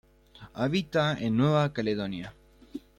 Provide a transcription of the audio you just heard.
Habita en Nueva Caledonia.